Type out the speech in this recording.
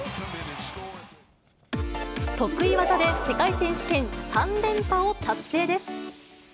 得意技で世界選手権３連覇を達成です。